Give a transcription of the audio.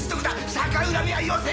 逆恨みはよせ！